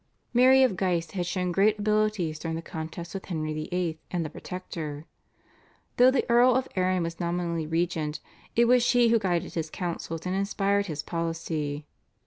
Mary of Guise had shown great abilities during the contest with Henry VIII. and the Protector. Though the Earl of Arran was nominally regent it was she who guided his counsels and inspired his policy.